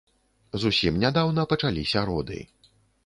Зусім нядаўна пачаліся роды.